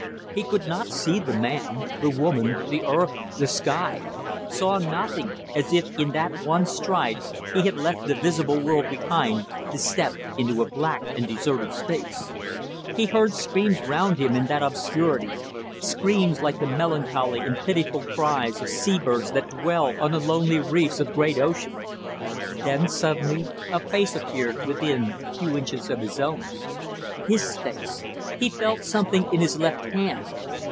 He could not see the man, the woman, the earth, the sky saw nothing, as if in that one stride he had left the visible world behind to step into a black and deserted space. He heard screams round him in that obscurity, screams like the melancholy and pitiful cries of sea birds that dwell on the lonely reefs of great oceans. Then suddenly a face appeared within a few inches of his own. His face. He felt something in his left hand.